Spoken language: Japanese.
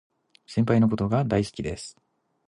先輩のことが大好きです